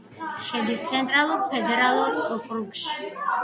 შედის ცენტრალურ ფედერალურ ოკრუგში.